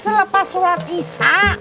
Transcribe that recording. selepas surat isa